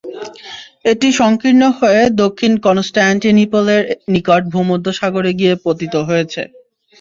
এটি সংকীর্ণ হয়ে দক্ষিণ কনস্টান্টিনিপলের নিকট ভূমধ্যসাগরে গিয়ে পতিত হয়েছে।